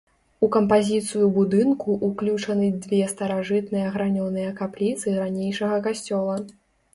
У кампазіцыю будынку ўключаны две старажытныя гранёныя капліцы ранейшага касцёла.